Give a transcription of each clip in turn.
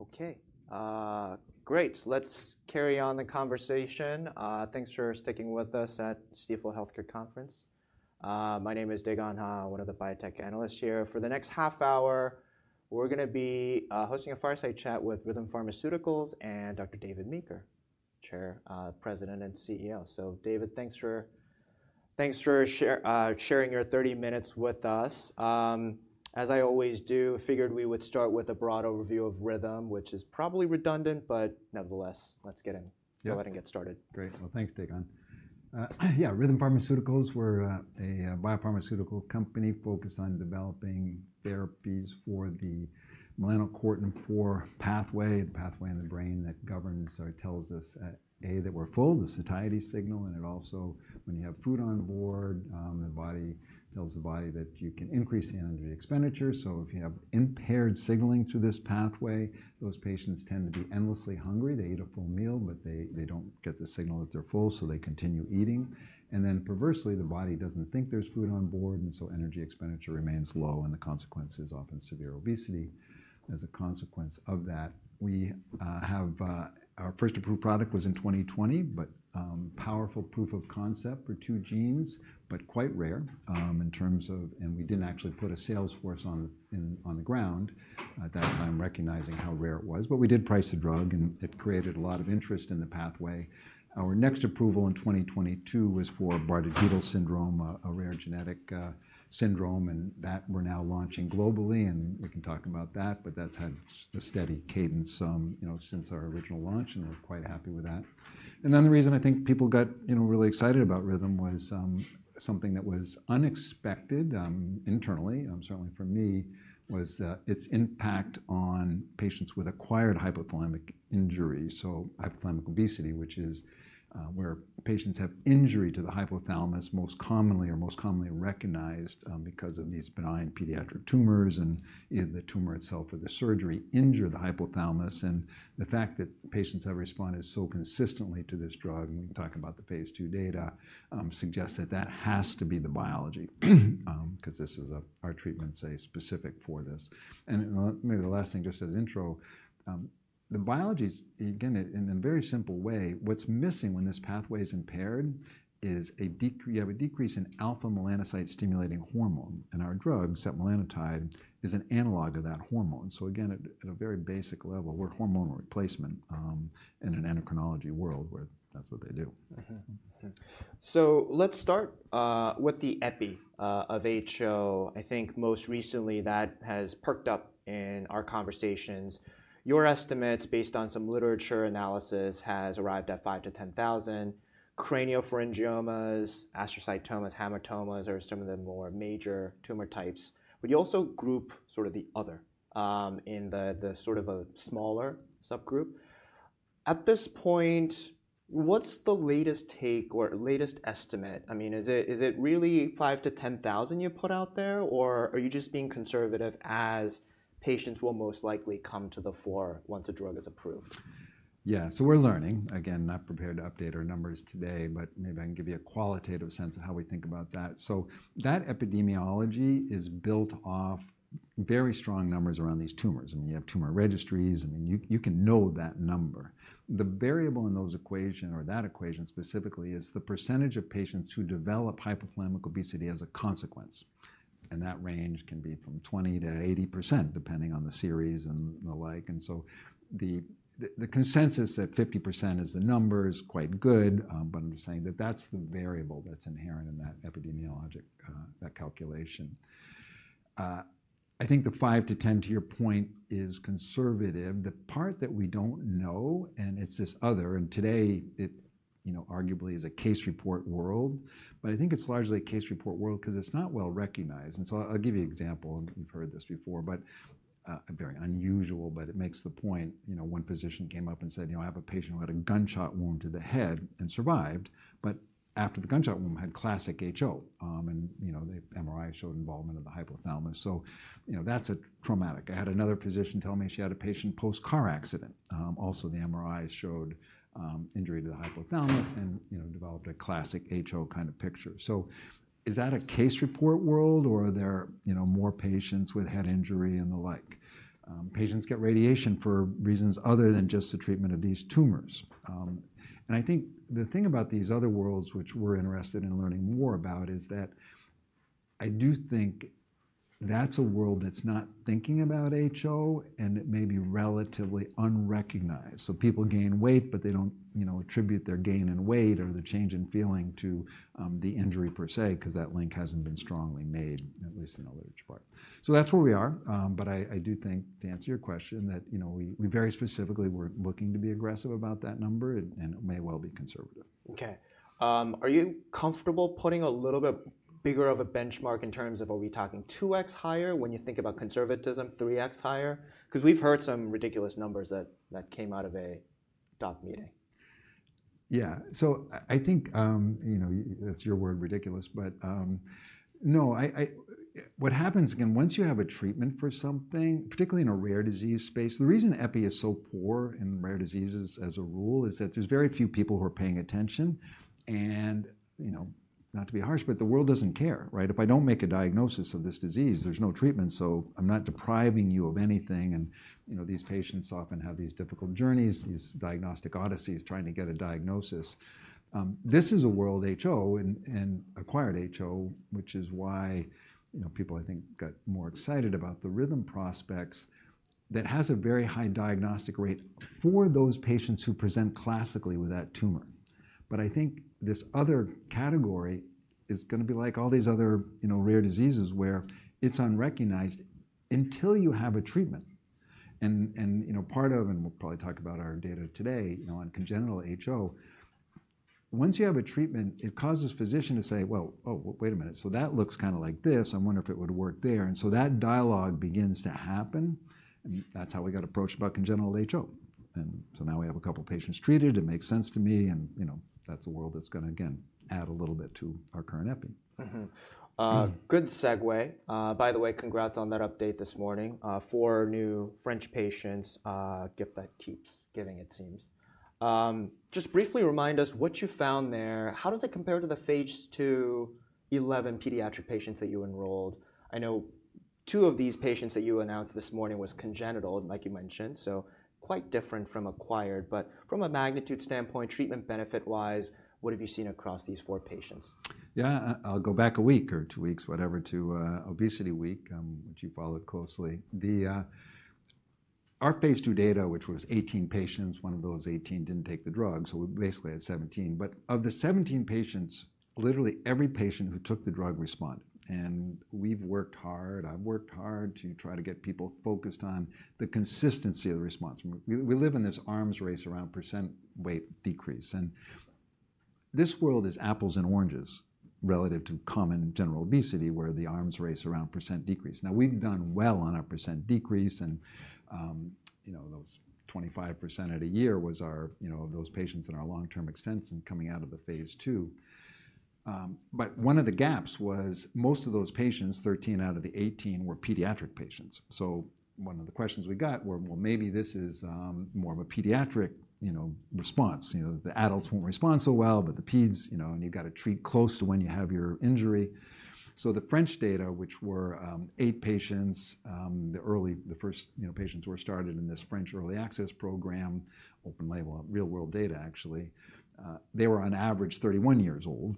Okay. Great. Let's carry on the conversation. Thanks for sticking with us at Stifel Healthcare Conference. My name is Dae Gon Ha, one of the biotech analysts here. For the next half hour, we're going to be hosting a fireside chat with Rhythm Pharmaceuticals and Dr. David Meeker, Chair, President, and CEO. So David, thanks for sharing your 30 minutes with us. As I always do, I figured we would start with a broad overview of Rhythm, which is probably redundant, but nevertheless, let's get in. Go ahead and get started. Great. Well, thanks, Dae Gon. Yeah, Rhythm Pharmaceuticals is a biopharmaceutical company focused on developing therapies for the melanocortin-4 pathway, the pathway in the brain that governs or tells us, A, that we're full, the satiety signal, and it also, when you have food on board, the body tells the body that you can increase the energy expenditure. So if you have impaired signaling through this pathway, those patients tend to be endlessly hungry. They eat a full meal, but they don't get the signal that they're full, so they continue eating, and then perversely, the body doesn't think there's food on board, and so energy expenditure remains low, and the consequence is often severe obesity as a consequence of that. Our first approved product was in 2020, but powerful proof of concept for two genes, but quite rare in terms of, and we didn't actually put a sales force on the ground at that time recognizing how rare it was. But we did price the drug, and it created a lot of interest in the pathway. Our next approval in 2022 was for Bardet-Biedl syndrome, a rare genetic syndrome, and that we're now launching globally. And we can talk about that, but that's had a steady cadence since our original launch, and we're quite happy with that. And then the reason I think people got really excited about Rhythm was something that was unexpected internally, certainly for me, was its impact on patients with acquired hypothalamic injury. Hypothalamic obesity, which is where patients have injury to the hypothalamus most commonly or most commonly recognized because of these benign pediatric tumors, and the tumor itself or the surgery injured the hypothalamus. And the fact that patients have responded so consistently to this drug, and we can talk about the Phase 2 data, suggests that that has to be the biology because our treatments are specific for this. And maybe the last thing, just as intro, the biology is, again, in a very simple way, what's missing when this pathway is impaired is you have a decrease in alpha-melanocyte-stimulating hormone, and our drug, setmelanotide, is an analog of that hormone. So again, at a very basic level, we're hormone replacement in an endocrinology world where that's what they do. So let's start with the epi of HO. I think most recently that has perked up in our conversations. Your estimates, based on some literature analysis, have arrived at 5,000-10,000. Craniopharyngiomas, astrocytomas, hamartomas are some of the more major tumor types, but you also group sort of the other in the sort of smaller subgroup. At this point, what's the latest take or latest estimate? I mean, is it really 5,000-10,000 you put out there, or are you just being conservative as patients will most likely come to the fore once a drug is approved? Yeah, so we're learning. Again, not prepared to update our numbers today, but maybe I can give you a qualitative sense of how we think about that. So that epidemiology is built off very strong numbers around these tumors. I mean, you have tumor registries. I mean, you can know that number. The variable in those equations, or that equation specifically, is the percentage of patients who develop hypothalamic obesity as a consequence. And that range can be from 20%-80%, depending on the series and the like. And so the consensus that 50% is the number is quite good, but I'm saying that that's the variable that's inherent in that epidemiologic calculation. I think the 5,000-10,000 to your point is conservative. The part that we don't know, and it's this other, and today it arguably is a case report world, but I think it's largely a case report world because it's not well recognized, and so I'll give you an example, and you've heard this before, but very unusual, but it makes the point. One physician came up and said, "I have a patient who had a gunshot wound to the head and survived, but after the gunshot wound had classic HO, and the MRI showed involvement of the hypothalamus," so that's traumatic. I had another physician tell me she had a patient post-car accident, also the MRI showed injury to the hypothalamus and developed a classic HO kind of picture, so is that a case report world, or are there more patients with head injury and the like? Patients get radiation for reasons other than just the treatment of these tumors, and I think the thing about these other worlds, which we're interested in learning more about, is that I do think that's a world that's not thinking about HO, and it may be relatively unrecognized. So people gain weight, but they don't attribute their gain in weight or the change in feeling to the injury per se because that link hasn't been strongly made, at least in a large part, so that's where we are, but I do think, to answer your question, that we very specifically weren't looking to be aggressive about that number, and it may well be conservative. Okay. Are you comfortable putting a little bit bigger of a benchmark in terms of are we talking 2x higher when you think about conservatism, 3x higher? Because we've heard some ridiculous numbers that came out of a doc meeting. Yeah. So I think that's your word, ridiculous, but no. What happens, again, once you have a treatment for something, particularly in a rare disease space, the reason epi is so poor in rare diseases as a rule is that there's very few people who are paying attention. And not to be harsh, but the world doesn't care, right? If I don't make a diagnosis of this disease, there's no treatment, so I'm not depriving you of anything. And these patients often have these difficult journeys, these diagnostic odysseys trying to get a diagnosis. This is a world HO and acquired HO, which is why people, I think, got more excited about the Rhythm's prospects that has a very high diagnostic rate for those patients who present classically with that tumor. But I think this other category is going to be like all these other rare diseases where it's unrecognized until you have a treatment. And part of, and we'll probably talk about our data today on congenital HO. Once you have a treatment, it causes physicians to say, "Well, oh, wait a minute, so that looks kind of like this. I wonder if it would work there." And so that dialogue begins to happen. And that's how we got approached about congenital HO. And so now we have a couple of patients treated. It makes sense to me. And that's a world that's going to, again, add a little bit to our current epi. Good segue. By the way, congrats on that update this morning. four new French patients, a gift that keeps giving, it seems. Just briefly remind us what you found there. How does it compare to the Phase 2 11 pediatric patients that you enrolled? I know two of these patients that you announced this morning were congenital, like you mentioned, so quite different from acquired. But from a magnitude standpoint, treatment benefit-wise, what have you seen across these four patients? Yeah, I'll go back a week or two weeks, whatever, to ObesityWeek, which you followed closely. Our Phase 2 data, which was 18 patients, one of those 18 didn't take the drug, so we basically had 17. But of the 17 patients, literally every patient who took the drug responded. And we've worked hard. I've worked hard to try to get people focused on the consistency of the response. We live in this arms race around percent weight decrease. And this world is apples and oranges relative to common general obesity, where the arms race around percent decrease. Now, we've done well on our percent decrease, and those 25% at a year was of those patients in our long-term extension coming out of the Phase 2. But one of the gaps was most of those patients, 13 out of the 18, were pediatric patients. So one of the questions we got were, well, maybe this is more of a pediatric response. The adults won't respond so well, but the peds, and you've got to treat close to when you have your injury. So the French data, which were eight patients, the first patients who were started in this French early access program, open label, real-world data, actually, they were on average 31 years old,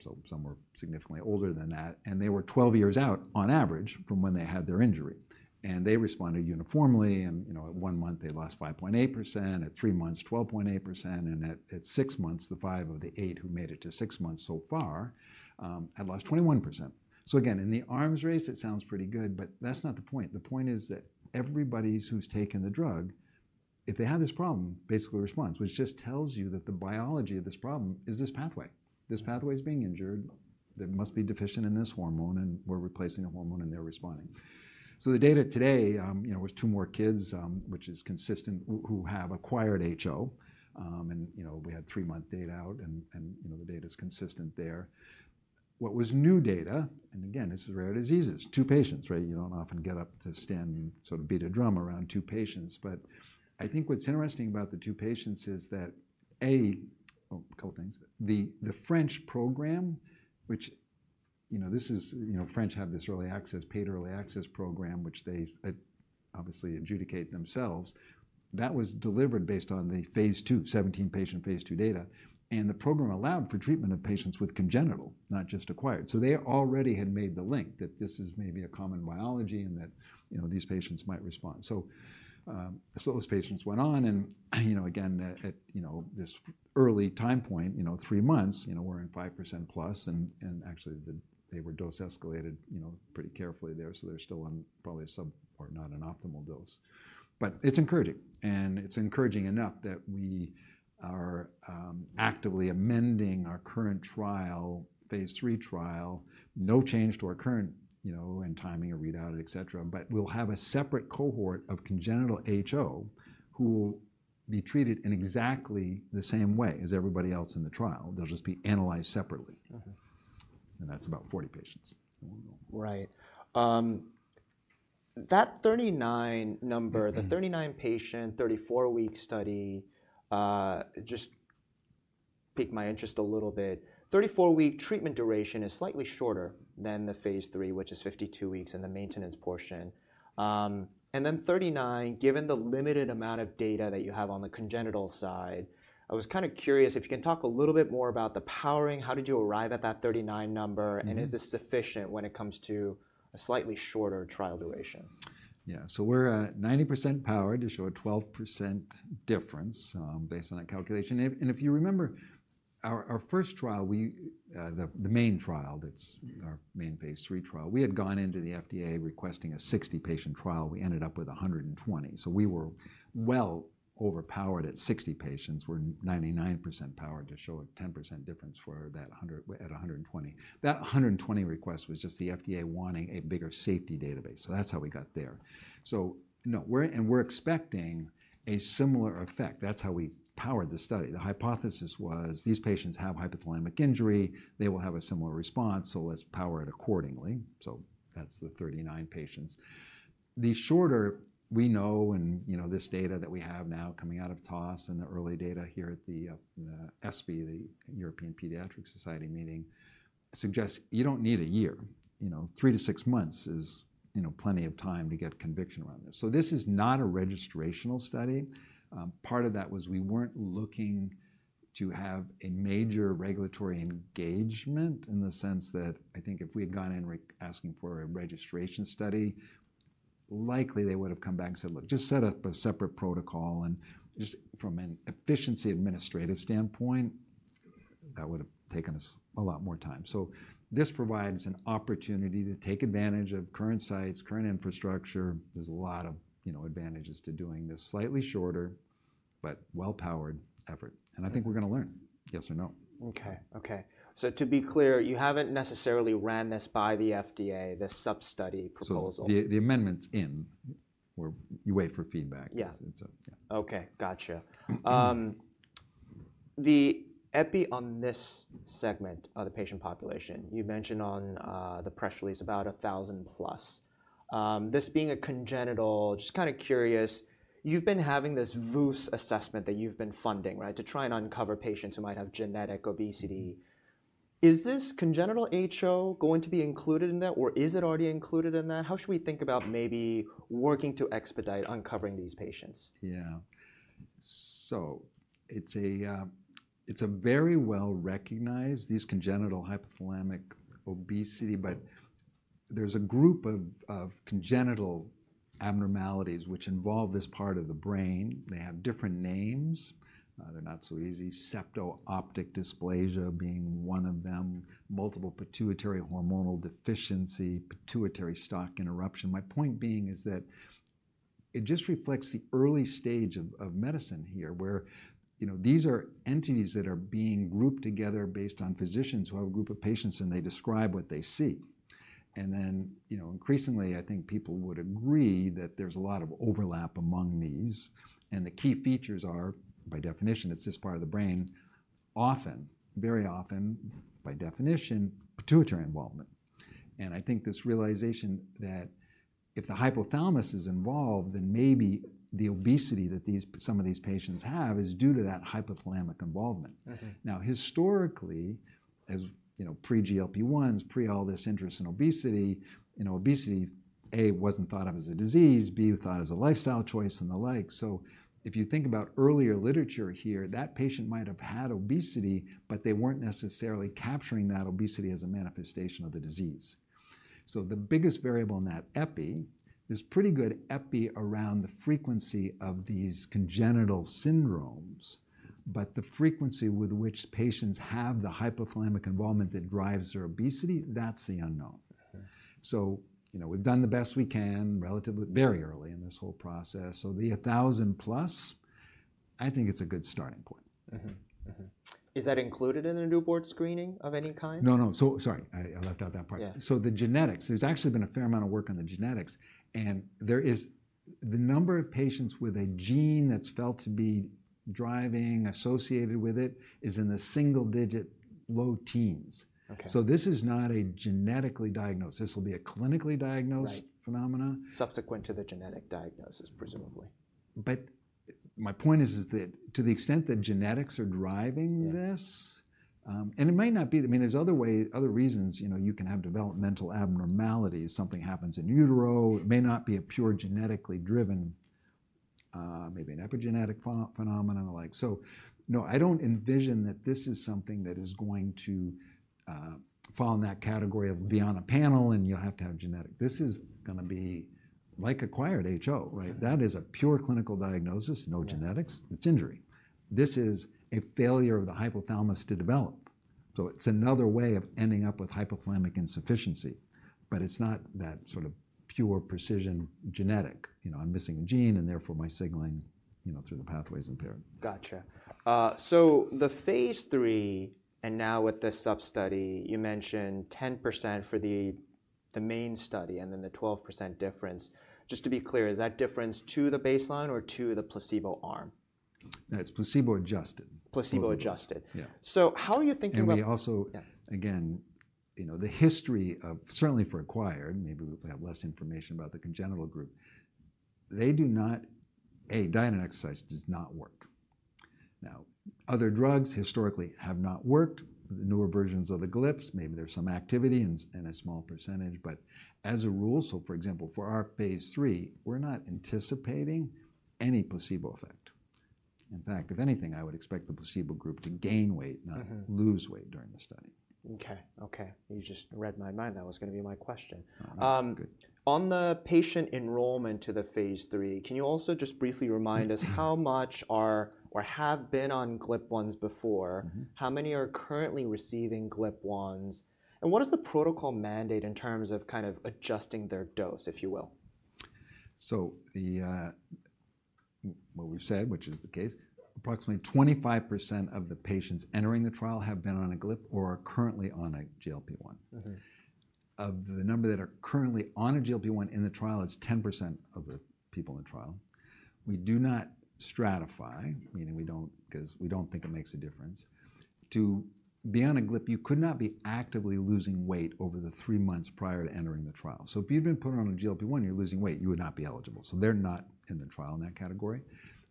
so some were significantly older than that. And they were 12 years out on average from when they had their injury. And they responded uniformly. And at one month, they lost 5.8%. At three months, 12.8%. And at six months, the five of the eight who made it to six months so far had lost 21%. So again, in the arms race, it sounds pretty good, but that's not the point. The point is that everybody who's taken the drug, if they have this problem, basically responds, which just tells you that the biology of this problem is this pathway. This pathway is being injured. There must be a deficiency in this hormone, and we're replacing a hormone, and they're responding. So the data today was two more kids, which is consistent, who have acquired HO, and we had three-month data out, and the data is consistent there. What was new data, and again, this is rare diseases, two patients, right? You don't often get up to stand and sort of beat a drum around two patients, but I think what's interesting about the two patients is that, A, a couple of things. The French program, which this is. French have this early access paid early access program, which they obviously adjudicate themselves. That was delivered based on the Phase 2, 17 patient Phase 2 data, and the program allowed for treatment of patients with congenital, not just acquired, so they already had made the link that this is maybe a common biology and that these patients might respond, so those patients went on, and again, at this early time point, three months, we're in 5% plus, and actually, they were dose escalated pretty carefully there. So they're still on probably a sub or not an optimal dose, but it's encouraging, and it's encouraging enough that we are actively amending our current trial, Phase 3 trial, no change to our current and timing or readout, et cetera, but we'll have a separate cohort of congenital HO who will be treated in exactly the same way as everybody else in the trial, they'll just be analyzed separately, and that's about 40 patients. Right. That 39 number, the 39-patient, 34-week study just piqued my interest a little bit. 34-week treatment duration is slightly shorter than the Phase 3, which is 52 weeks in the maintenance portion, and then 39, given the limited amount of data that you have on the congenital side, I was kind of curious if you can talk a little bit more about the powering. How did you arrive at that 39 number, and is this sufficient when it comes to a slightly shorter trial duration? Yeah. So we're at 90% powered, which is a 12% difference based on that calculation, and if you remember our first trial, the main trial, that's our main Phase 3 trial, we had gone into the FDA requesting a 60-patient trial. We ended up with 120, so we were well overpowered at 60 patients. We're 99% powered to show a 10% difference at 120. That 120 request was just the FDA wanting a bigger safety database, so that's how we got there, so no, and we're expecting a similar effect. That's how we powered the study. The hypothesis was these patients have hypothalamic injury. They will have a similar response, so let's power it accordingly. So that's the 39 patients. The shorter, we know in this data that we have now coming out of TOS and the early data here at the ESPE, the European Pediatric Society meeting, suggests you don't need a year. Three to six months is plenty of time to get conviction around this. This is not a registrational study. Part of that was we weren't looking to have a major regulatory engagement in the sense that I think if we had gone in asking for a registration study, likely they would have come back and said, "Look, just set up a separate protocol." And just from an efficiency administrative standpoint, that would have taken us a lot more time. This provides an opportunity to take advantage of current sites, current infrastructure. There's a lot of advantages to doing this slightly shorter but well-powered effort. I think we're going to learn, yes or no. So to be clear, you haven't necessarily ran this by the FDA, this sub-study proposal? The amendment's in where you wait for feedback. Yeah. Okay. Gotcha. The epi on this segment of the patient population, you mentioned on the press release about 1,000 plus. This being a congenital, just kind of curious, you've been having this VUS assessment that you've been funding, right, to try and uncover patients who might have genetic obesity. Is this congenital HO going to be included in that, or is it already included in that? How should we think about maybe working to expedite uncovering these patients? Yeah. So it's a very well-recognized, these congenital hypothalamic obesity, but there's a group of congenital abnormalities which involve this part of the brain. They have different names. They're not so easy. Septo-optic dysplasia being one of them. Multiple pituitary hormone deficiency, pituitary stalk interruption. My point being is that it just reflects the early stage of medicine here where these are entities that are being grouped together based on physicians who have a group of patients, and they describe what they see. And then increasingly, I think people would agree that there's a lot of overlap among these. And the key features are, by definition, it's this part of the brain, often, very often, by definition, pituitary involvement. And I think this realization that if the hypothalamus is involved, then maybe the obesity that some of these patients have is due to that hypothalamic involvement. Now, historically, as pre-GLP-1s, pre all this interest in obesity, obesity, A, wasn't thought of as a disease, B, thought as a lifestyle choice and the like. So if you think about earlier literature here, that patient might have had obesity, but they weren't necessarily capturing that obesity as a manifestation of the disease. So the biggest variable in that epi is pretty good epi around the frequency of these congenital syndromes, but the frequency with which patients have the hypothalamic involvement that drives their obesity, that's the unknown. So we've done the best we can very early in this whole process. So the 1,000 plus, I think it's a good starting point. Is that included in the newborn screening of any kind? No, no. So sorry, I left out that part. So the genetics, there's actually been a fair amount of work on the genetics. And the number of patients with a gene that's felt to be driving associated with it is in the single-digit low teens. So this is not a genetically diagnosed. This will be a clinically diagnosed phenomenon. Subsequent to the genetic diagnosis, presumably. But my point is that to the extent that genetics are driving this, and it might not be, I mean, there's other ways, other reasons you can have developmental abnormalities. Something happens in utero. It may not be a pure genetically driven, maybe an epigenetic phenomenon or like. So no, I don't envision that this is something that is going to fall in that category of be on a panel and you'll have to have genetic. This is going to be like acquired HO, right? That is a pure clinical diagnosis, no genetics. It's injury. This is a failure of the hypothalamus to develop. So it's another way of ending up with hypothalamic insufficiency. But it's not that sort of pure precision genetic. I'm missing a gene, and therefore my signaling through the pathway is impaired. Gotcha. So the Phase 3 and now with the sub-study, you mentioned 10% for the main study and then the 12% difference. Just to be clear, is that difference to the baseline or to the placebo arm? It's placebo adjusted. Placebo adjusted. So how are you thinking about? Also, again, the history, certainly, for acquired. Maybe we have less information about the congenital group. They do not. A, diet and exercise does not work. Now, other drugs historically have not worked. The newer versions of the GLPs, maybe there's some activity in a small percentage. But as a rule, so for example, for our Phase 3, we're not anticipating any placebo effect. In fact, if anything, I would expect the placebo group to gain weight, not lose weight during the study. Okay. Okay. You just read my mind. That was going to be my question. On the patient enrollment to the Phase 3, can you also just briefly remind us how much are or have been on GLP-1s before? How many are currently receiving GLP-1s? And what is the protocol mandate in terms of kind of adjusting their dose, if you will? So what we've said, which is the case, approximately 25% of the patients entering the trial have been on a GLP or are currently on a GLP-1. Of the number that are currently on a GLP-1 in the trial, it's 10% of the people in the trial. We do not stratify, meaning we don't because we don't think it makes a difference. To be on a GLP, you could not be actively losing weight over the three months prior to entering the trial. So if you'd been put on a GLP-1, you're losing weight, you would not be eligible. So they're not in the trial in that category.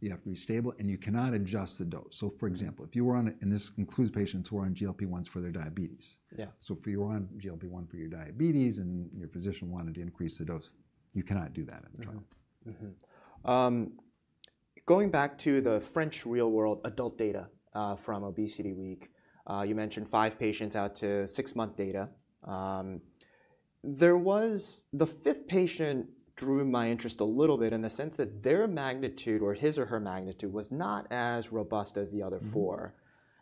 You have to be stable, and you cannot adjust the dose. So for example, if you were on, and this includes patients who are on GLP-1s for their diabetes. So if you were on GLP-1 for your diabetes and your physician wanted to increase the dose, you cannot do that in the trial. Going back to the French real-world adult data from ObesityWeek, you mentioned five patients out to six-month data. The fifth patient drew my interest a little bit in the sense that their magnitude or his or her magnitude was not as robust as the other four.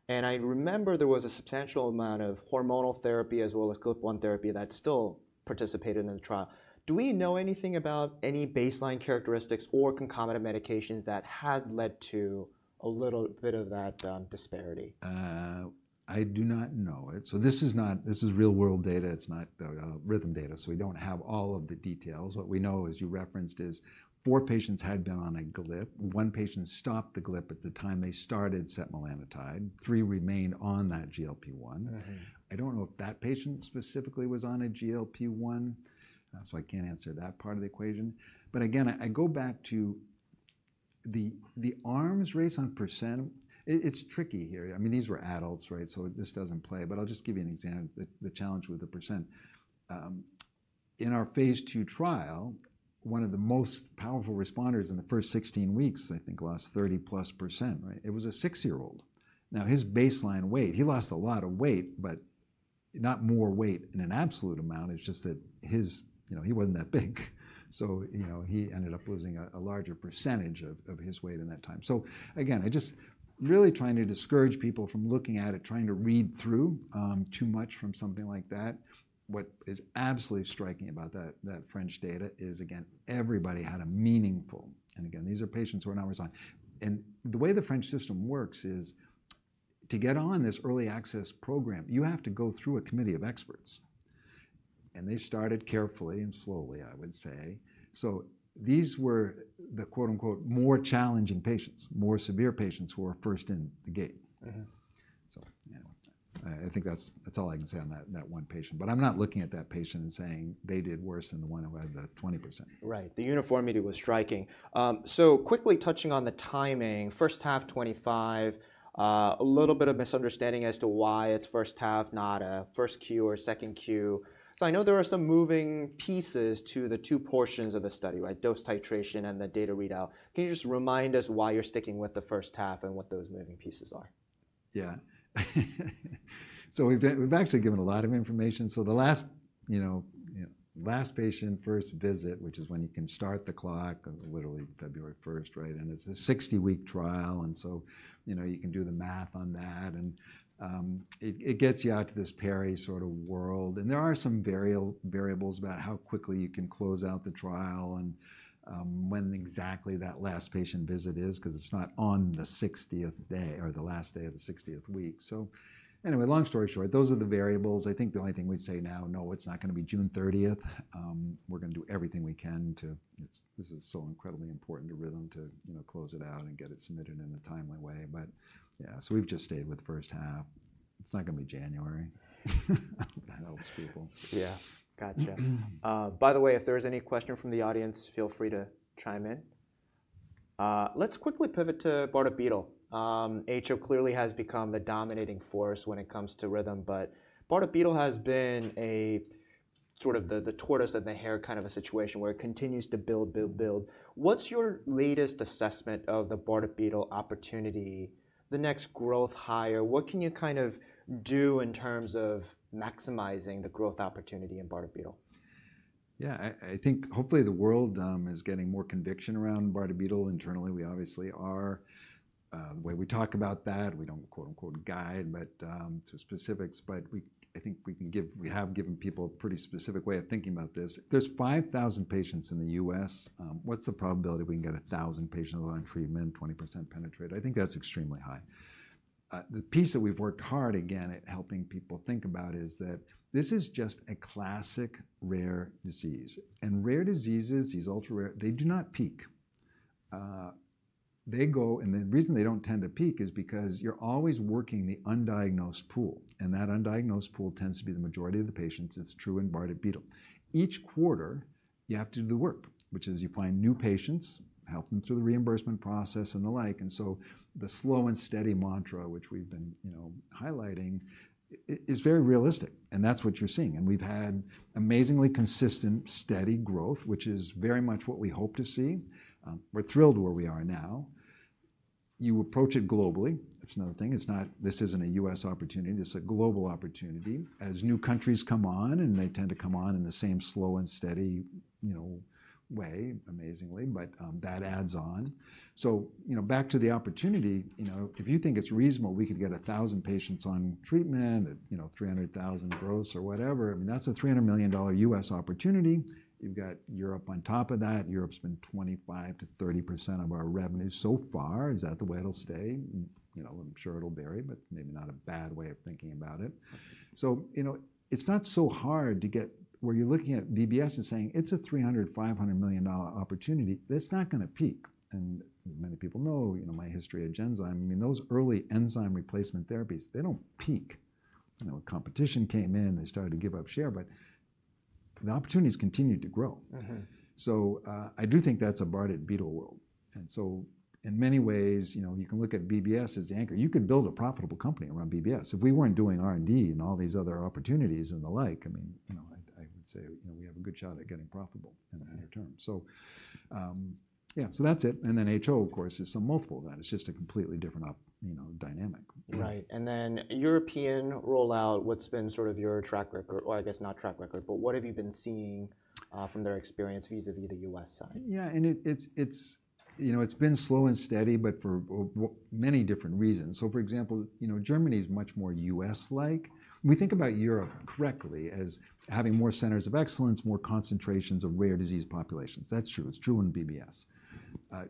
And I remember there was a substantial amount of hormonal therapy as well as GLP-1 therapy that still participated in the trial. Do we know anything about any baseline characteristics or concomitant medications that has led to a little bit of that disparity? I do not know it. So this is real-world data. It's not Rhythm data. So we don't have all of the details. What we know is you referenced is four patients had been on a GLP. One patient stopped the GLP at the time they started setmelanotide. Three remained on that GLP-1. I don't know if that patient specifically was on a GLP-1. So I can't answer that part of the equation. But again, I go back to the arms race on percent. It's tricky here. I mean, these were adults, right? So this doesn't play. But I'll just give you an example, the challenge with the percent. In our Phase 2 trial, one of the most powerful responders in the first 16 weeks, I think lost 30+%, right? It was a six-year-old. Now, his baseline weight, he lost a lot of weight, but not more weight in an absolute amount. It's just that he wasn't that big. So he ended up losing a larger percentage of his weight in that time. So again, I just really trying to discourage people from looking at it, trying to read through too much from something like that. What is absolutely striking about that French data is, again, everybody had a meaningful, and again, these are patients who are not resigned. And the way the French system works is to get on this early access program, you have to go through a committee of experts. And they started carefully and slowly, I would say. So these were the "more challenging patients," more severe patients who were first in the gate. So I think that's all I can say on that one patient. But I'm not looking at that patient and saying they did worse than the one who had the 20%. Right. The uniformity was striking. So quickly touching on the timing, first half 2025, a little bit of misunderstanding as to why it's first half, not a Q1 or Q2. So I know there are some moving pieces to the two portions of the study, right, dose titration and the data readout. Can you just remind us why you're sticking with the first half and what those moving pieces are? Yeah. So we've actually given a lot of information. So the last patient first visit, which is when you can start the clock, literally February 1st, right? And it's a 60-week trial. And so you can do the math on that. And it gets you out to this PDUFA sort of world. And there are some variables about how quickly you can close out the trial and when exactly that last patient visit is because it's not on the 60th day or the last day of the 60th week. So anyway, long story short, those are the variables. I think the only thing we'd say now, no, it's not going to be June 30th. We're going to do everything we can to, this is so incredibly important to Rhythm, to close it out and get it submitted in a timely way. But yeah, so we've just stayed with first half. It's not going to be January. That helps people. Yeah. Gotcha. By the way, if there is any question from the audience, feel free to chime in. Let's quickly pivot to Bardet-Biedl. HO clearly has become the dominating force when it comes to Rhythm, but Bardet-Biedl has been a sort of the tortoise and the hare kind of a situation where it continues to build, build, build. What's your latest assessment of the Bardet-Biedl opportunity, the next growth driver? What can you kind of do in terms of maximizing the growth opportunity in Bardet-Biedl? Yeah. I think hopefully the world is getting more conviction around Bardet-Biedl internally. We obviously are. The way we talk about that, we don't "guide" to specifics, but I think we have given people a pretty specific way of thinking about this. There's 5,000 patients in the U.S. What's the probability we can get 1,000 patients on treatment, 20% penetrate? I think that's extremely high. The piece that we've worked hard again at helping people think about is that this is just a classic rare disease, and rare diseases, these ultra-rare, they do not peak, and the reason they don't tend to peak is because you're always working the undiagnosed pool, and that undiagnosed pool tends to be the majority of the patients. It's true in Bardet-Biedl. Each quarter, you have to do the work, which is you find new patients, help them through the reimbursement process and the like. And so the slow and steady mantra, which we've been highlighting, is very realistic. And that's what you're seeing. And we've had amazingly consistent steady growth, which is very much what we hope to see. We're thrilled where we are now. You approach it globally. That's another thing. This isn't a U.S. opportunity. This is a global opportunity. As new countries come on, and they tend to come on in the same slow and steady way, amazingly, but that adds on. So back to the opportunity, if you think it's reasonable, we could get 1,000 patients on treatment, 300,000 gross or whatever. I mean, that's a $300 million U.S. opportunity. You've got Europe on top of that. Europe's been 25%-30% of our revenue so far. Is that the way it'll stay? I'm sure it'll vary, but maybe not a bad way of thinking about it. It's not so hard to get where you're looking at BBS and saying it's a $300-$500 million opportunity. It's not going to peak. Many people know my history of Genzyme. I mean, those early enzyme replacement therapies, they don't peak. Competition came in. They started to give up share, but the opportunities continue to grow. I do think that's a Bardet-Biedl world. In many ways, you can look at BBS as the anchor. You could build a profitable company around BBS. If we weren't doing R&D and all these other opportunities and the like, I mean, I would say we have a good shot at getting profitable in the near term. Yeah, so that's it. HO, of course, is some multiple of that. It's just a completely different dynamic. Right. And then European rollout, what's been sort of your track record? Well, I guess not track record, but what have you been seeing from their experience vis-à-vis the U.S. side? Yeah, and it's been slow and steady, but for many different reasons, so, for example, Germany is much more U.S.-like. We think about Europe correctly as having more centers of excellence, more concentrations of rare disease populations. That's true. It's true in U.S.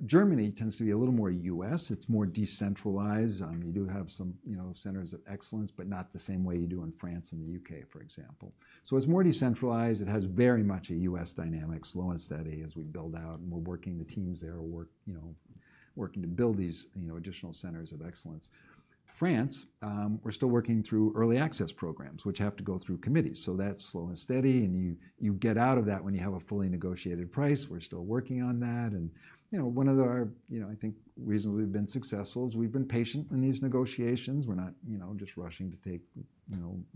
Germany tends to be a little more U.S. It's more decentralized. You do have some centers of excellence, but not the same way you do in France and the U.K., for example. So it's more decentralized. It has very much a U.S. dynamic, slow and steady as we build out, and we're working with the teams there working to build these additional centers of excellence. France, we're still working through early access programs, which have to go through committees, so that's slow and steady, and you get out of that when you have a fully negotiated price. We're still working on that. One of our, I think, reasons we've been successful is we've been patient in these negotiations. We're not just rushing to take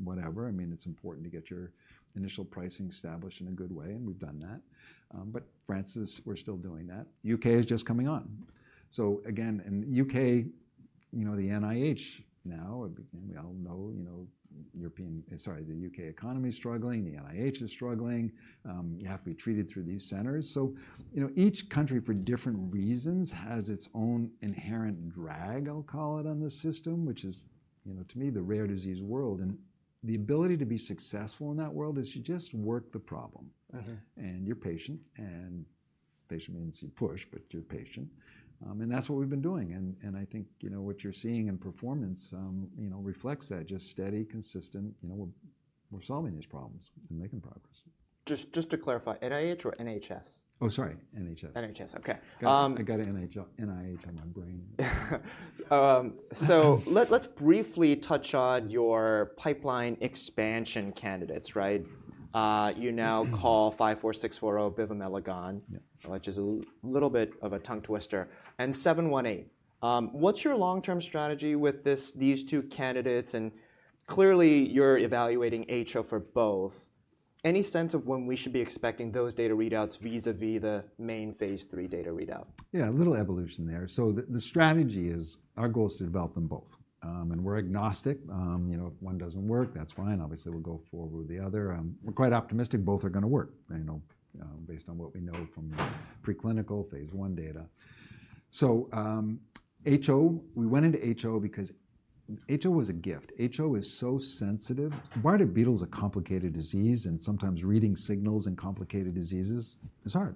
whatever. I mean, it's important to get your initial pricing established in a good way. We've done that. France is. We're still doing that. UK is just coming on. Again, in the UK, the NHS now, we all know. European, sorry, the UK economy is struggling. The NHS is struggling. You have to be treated through these centers. Each country, for different reasons, has its own inherent drag, I'll call it, on the system, which is, to me, the rare disease world. The ability to be successful in that world is you just work the problem. You're patient. Patient means you push, but you're patient. That's what we've been doing. I think what you're seeing in performance reflects that, just steady, consistent. We're solving these problems and making progress. Just to clarify, NHS or NHS? Oh, sorry. NHS. NHS. Okay. I got NHS on my brain. So let's briefly touch on your pipeline expansion candidates, right? You now call 54640 bivamelagon, which is a little bit of a tongue twister, and 718. What's your long-term strategy with these two candidates? And clearly, you're evaluating HO for both. Any sense of when we should be expecting those data readouts vis-à-vis the main Phase 3 data readout? Yeah, a little evolution there. So the strategy is our goal is to develop them both. And we're agnostic. If one doesn't work, that's fine. Obviously, we'll go forward with the other. We're quite optimistic both are going to work based on what we know from preclinical Phase 1 data. So HO, we went into HO because HO was a gift. HO is so sensitive. Bardet-Biedl is a complicated disease. And sometimes reading signals in complicated diseases is hard.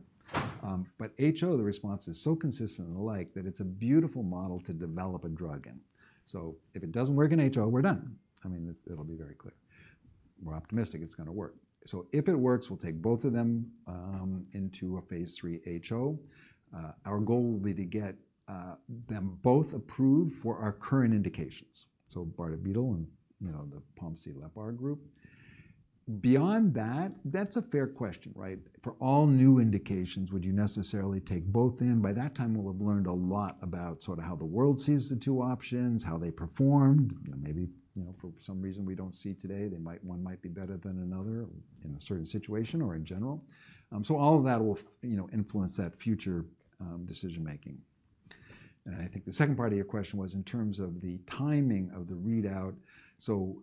But HO, the response is so consistent and the like that it's a beautiful model to develop a drug in. So if it doesn't work in HO, we're done. I mean, it'll be very clear. We're optimistic it's going to work. So if it works, we'll take both of them into a Phase 3 HO. Our goal will be to get them both approved for our current indications. So, Bardet-Biedl and the POMC-LEPR group. Beyond that, that's a fair question, right? For all new indications, would you necessarily take both in? By that time, we'll have learned a lot about sort of how the world sees the two options, how they performed. Maybe for some reason we don't see today, one might be better than another in a certain situation or in general. So all of that will influence that future decision-making. And I think the second part of your question was in terms of the timing of the readout. So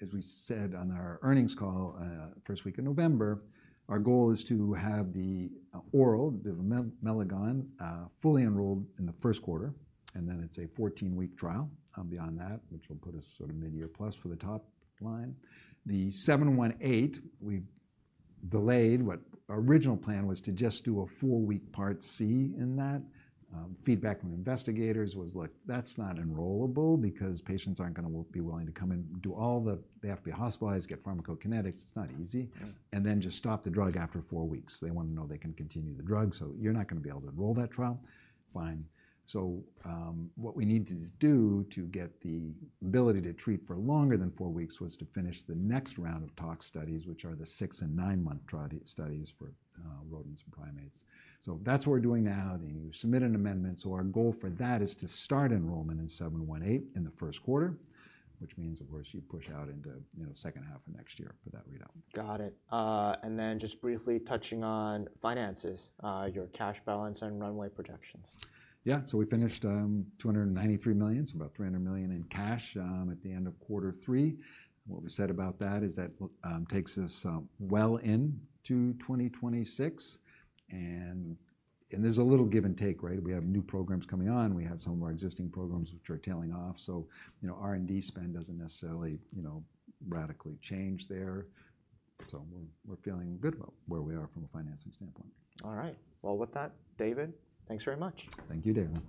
as we said on our earnings call, first week of November, our goal is to have the oral, the bivamelagon, fully enrolled in the first quarter. And then it's a 14-week trial. Beyond that, which will put us sort of mid-year plus for the top line. The RM-718, we delayed. Our original plan was to just do a four-week Part C in that. Feedback from investigators was, look, that's not enrollable because patients aren't going to be willing to come in and do all the they have to be hospitalized, get pharmacokinetics. It's not easy. And then just stop the drug after four weeks. They want to know they can continue the drug. So you're not going to be able to enroll that trial. Fine. So what we need to do to get the ability to treat for longer than four weeks was to finish the next round of tox studies, which are the six- and nine-month studies for rodents and primates. So that's what we're doing now. You submit an amendment. So our goal for that is to start enrollment in 718 in the first quarter, which means, of course, you push out into the second half of next year for that readout. Got it. And then just briefly touching on finances, your cash balance and runway projections. Yeah. So we finished $293 million, so about $300 million in cash at the end of quarter three. What we said about that is that takes us well into 2026. And there's a little give and take, right? We have new programs coming on. We have some of our existing programs which are tailing off. So R&D spend doesn't necessarily radically change there. So we're feeling good about where we are from a financing standpoint. All right. Well, with that, David, thanks very much. Thank you, Dae Gon.